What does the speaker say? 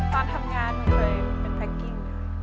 ตอนทำงานหนูเคยเป็นแพ็กกิ้ง